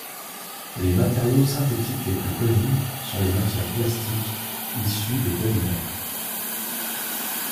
Les matériaux synthétiques les plus connus sont les matières plastiques, issues de polymères.